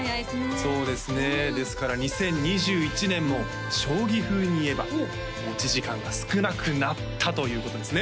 そうですねですから２０２１年も将棋風に言えば持ち時間が少なくなったということですね